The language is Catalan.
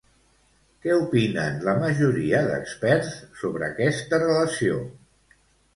Què opinen la majoria d'experts sobre aquesta relació?